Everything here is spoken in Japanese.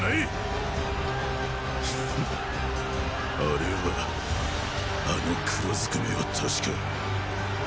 あれはあの黒ずくめはたしか！